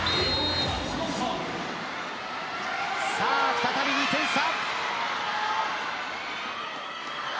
再び２点差。